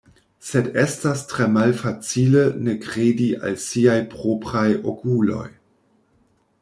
Sed estas tre malfacile ne kredi al siaj propraj okuloj.